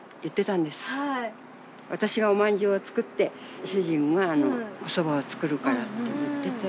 私がおまんじゅうを作って主人はお蕎麦を作るからって言ってて。